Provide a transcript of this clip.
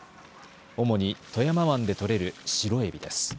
主に富山湾でとれるシロエビです。